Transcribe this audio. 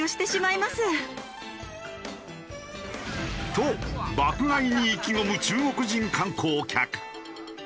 と爆買いに意気込む中国人観光客。